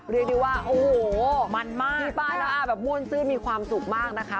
เรียกได้ว่าโอ้โหมันมากพี่ป้าน้าอาแบบม่วนซื่นมีความสุขมากนะคะ